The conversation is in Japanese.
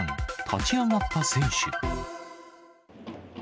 立ち上がった選手。